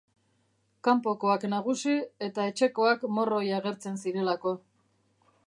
Kanpokoak nagusi eta etxekoak morroi agertzen zirelako.